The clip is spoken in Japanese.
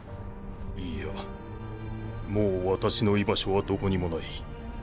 いいやもう私の居場所はどこにもない。